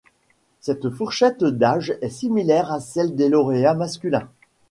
Cette fourchette d'âge est similaire à celle des lauréats masculins.